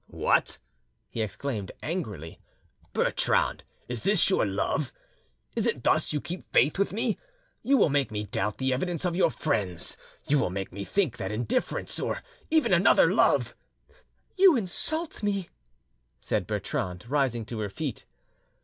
"What!" he exclaimed angrily. "Bertrande, is this your love? Is it thus you keep faith with me? You will make me doubt the evidence of your friends; you will make me think that indifference, or even another love——" "You insult me," said Bertrande, rising to her feet.